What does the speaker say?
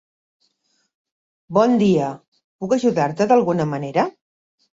Bon dia, puc ajudar-te d'alguna manera?